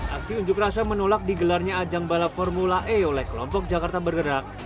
aksi unjuk rasa menolak digelarnya ajang balap formula e oleh kelompok jakarta bergerak